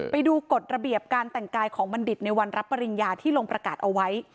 ไปดูกฎระเบียบการแต่งกายของบัณฑิตในวันรับปริญญาที่ลงประกาศเอาไว้